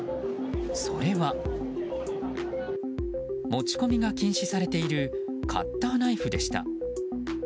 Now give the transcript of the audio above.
それは持ち込みが禁止されているカッターナイフでした。